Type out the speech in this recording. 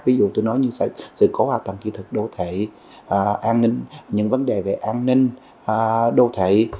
ví dụ tôi nói như sự cố hạ tầng chữ thực đô thị những vấn đề về an ninh đô thị